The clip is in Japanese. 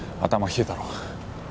冷えたろ？